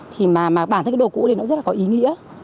thì mà bản thân cái đồ cũ đấy nó rất là có ý nghĩa